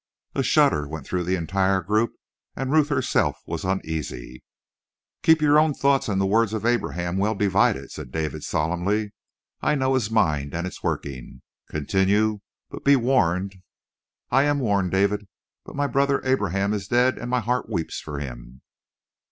'" A shudder went through the entire group, and Ruth herself was uneasy. "Keep your own thoughts and the words of Abraham well divided," said David solemnly. "I know his mind and its working. Continue, but be warned." "I am warned, David, but my brother Abraham is dead and my heart weeps for him!"